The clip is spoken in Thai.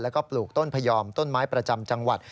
แล้วก็ปลูกต้นพยอมต้นไม้ประจำจังหวัด